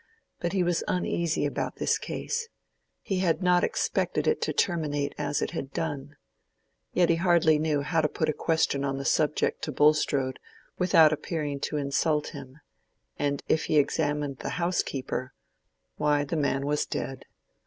But he was uneasy about this case. He had not expected it to terminate as it had done. Yet he hardly knew how to put a question on the subject to Bulstrode without appearing to insult him; and if he examined the housekeeper—why, the man was dead.